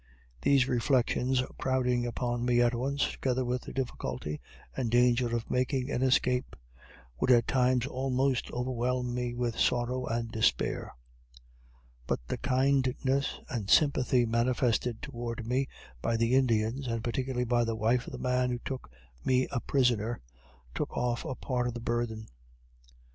These reflections crowding upon me at once, together with the difficulty and danger of making an escape, would at times almost overwhelm me with sorrow and despair. But the kindness and sympathy manifested toward me by the Indians, and particularly by the wife of the man who took me a prisoner, took off a part of the burthen.